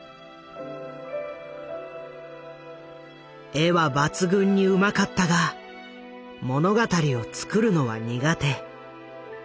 絵は抜群にうまかったが物語を作るのは苦手。